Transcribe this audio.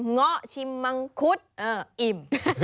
เงาะชิมมังคุดอิ่ม